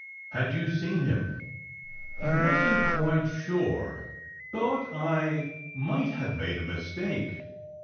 Had you seen him?" "I wasn t quite sure thought I might have made a mis take.